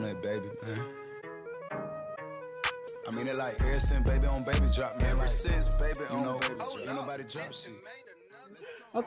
oke ini kita ada game sedikit nih untuk